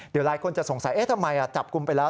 เดี๋ยวหลายคนจะสงสัยทำไมจับกลุ่มไปแล้ว